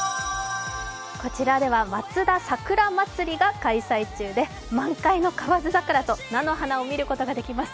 こちらでは松田桜祭りが開催中で満開の河津桜と菜の花を見ることができます。